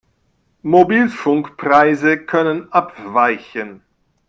Mobilfunkpreise können abweichen.